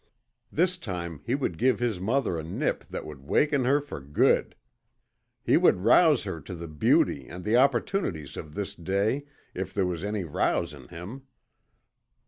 This time he would give his mother a nip that would waken her for good! He would rouse her to the beauty and the opportunities of this day if there was any rouse in him!